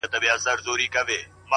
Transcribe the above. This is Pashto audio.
او د بت سترگي يې ښې ور اب پاشي کړې;